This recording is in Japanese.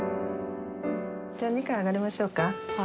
じゃ２階上がりましょうか？